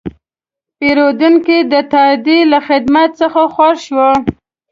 پیرودونکی د تادیې له خدمت څخه خوښ شو.